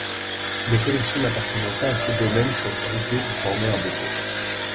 Les collections n’appartenant pas à ce domaine furent groupées pour former un dépôt.